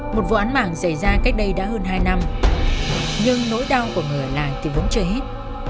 một vụ án mạng xảy ra cách đây đã hơn hai năm nhưng nỗi đau của người ở làng thì vốn chưa hết